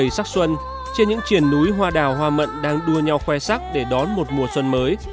trong không khí sắc xuân trên những triển núi hoa đào hoa mận đang đua nhau khoe sắc để đón một mùa xuân mới